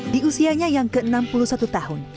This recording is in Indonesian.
di usianya yang ke enam puluh satu tahun